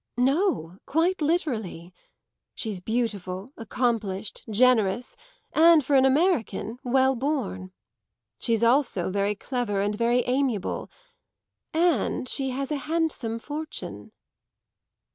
"No; quite literally. She's beautiful, accomplished, generous and, for an American, well born. She's also very clever and very amiable, and she has a handsome fortune."